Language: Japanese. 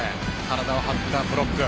体を張ったブロック。